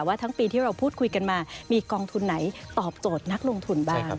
ว่าทั้งปีที่เราพูดคุยกันมามีกองทุนไหนตอบโจทย์นักลงทุนบ้าง